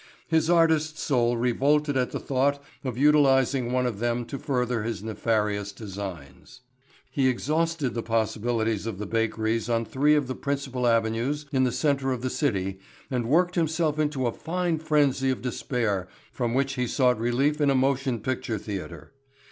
His artist's soul revolted at the thought of utilizing one of them to further his nefarious designs. He exhausted the possibilities of the bakeries on three of the principal avenues in the center of the city and worked himself into a fine frenzy of despair from which he sought relief in a motion picture theatre.